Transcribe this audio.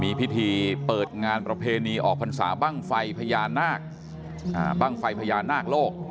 มีพิธีเปิดงานประเพณีออกพรรษาบ้างไฟพญานาคบ้างไฟพญานาคโลก